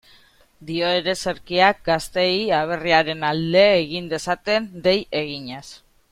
Dio ereserkiak, gazteei aberriaren alde egin dezaten dei eginez.